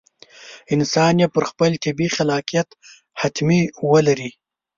انسان یې پر خپل طبیعي خلاقیت حتمي ولري.